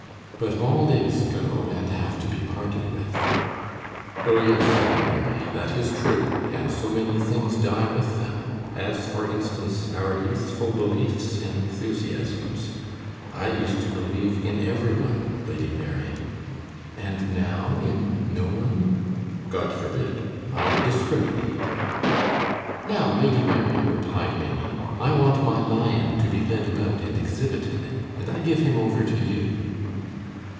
"But all days go and have to be parted with." "Oh, yes, Lady Mary. That is true and so many things die with them, as, for instance, our youthful beliefs and enthusiasms. I used to believe in every one, Lady Mary." "And now in no one?" "God forbid! I discriminate." "Now, Lady Mary," replied Maimie, "I want my lion to be led about and exhibited, and I give him over to you."